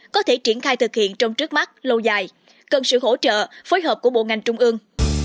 có thể triển khai thực hiện trong trước mắt lâu dài cần sự hỗ trợ phối hợp của bộ ngành trung ương